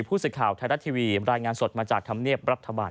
ผู้สื่อข่าวไทยรัฐทีวีรายงานสดมาจากธรรมเนียบรัฐบาล